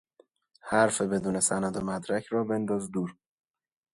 حرف بدون سند و مدرک را بنداز دور